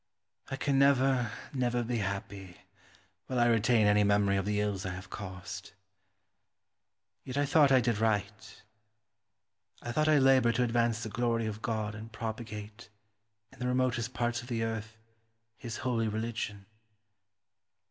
I can never, never be happy, while I retain any memory of the ills I have caused. Yet I thought I did right. I thought I laboured to advance the glory of God and propagate, in the remotest parts of the earth, His holy religion.